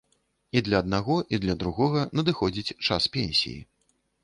І для аднаго, і для другога надыходзіць час пенсіі.